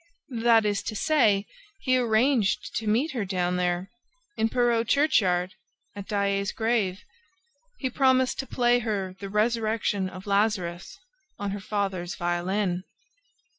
"That is to say, he arranged to meet her down there, in Perros churchyard, at Daae's grave. He promised to play her The Resurrection of Lazarus on her father's violin!"